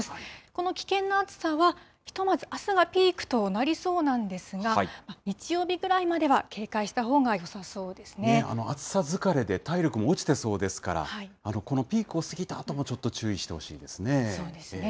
この危険な暑さは、ひとまずあすがピークとなりそうなんですが、日曜日ぐらいまでは警戒したほう暑さ疲れで体力も落ちてそうですから、このピークを過ぎたあとも、ちょっと注意してほしいでそうですね。